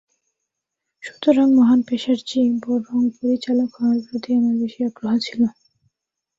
সুতরাং মহান পেশার চেয়ে বরং পরিচালক হওয়ার প্রতি আমার বেশি আগ্রহ ছিল।